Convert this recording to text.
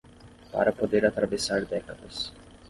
Para poder atravessar décadas